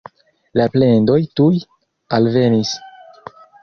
La plendoj tuj alvenis.